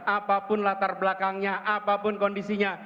apapun latar belakangnya apapun kondisinya